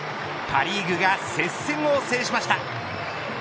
パ・リーグが接戦を制しました。